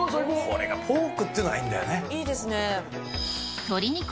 これがポークっていうのがいいいですね。